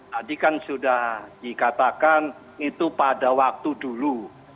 tadi kan sudah dikatakan itu pada waktu dulu